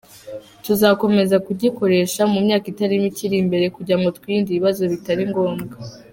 Tuzakomeza kugikoresha mu myaka itari mike iri imbere kugira ngo twirinde ibibazo bitari ngombwa”.